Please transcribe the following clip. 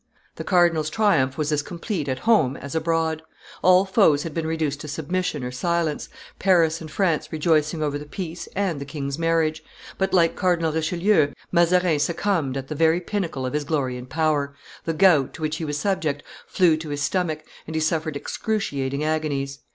The cardinal's triumph was as complete at home as abroad; all foes had been reduced to submission or silence, Paris and France rejoicing over the peace and the king's marriage; but, like Cardinal Richelieu, Mazarin succumbed at the very pinnacle of his glory and power; the gout, to which he was subject, flew to his stomach, and he suffered excruciating agonies.